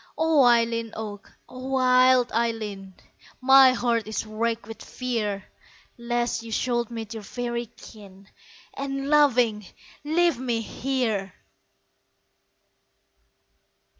O Eileen Og, O wild Eileen, My heart is wracked with fear Lest you should meet your faery kin, And, laughing, leave me here!